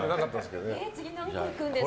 次、何個いくんですか？